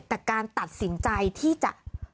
แต่การตัดสินใจที่จะ